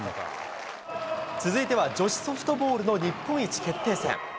続いては女子ソフトボールの日本一決定戦。